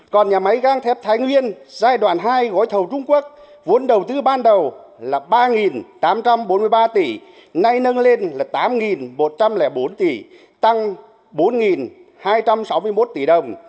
còn nhà máy găng thép thái nguyên giai đoạn hai gói thầu trung quốc vốn đầu tư ban đầu là ba tám trăm bốn mươi ba tỷ nay nâng lên là tám một trăm linh bốn tỷ tăng bốn hai trăm sáu mươi một tỷ đồng